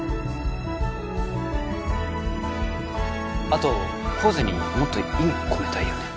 あとポーズにもっと意味込めたいよね